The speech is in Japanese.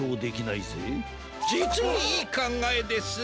じつにいいかんがえです。